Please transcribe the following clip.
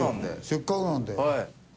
せっかくなんで。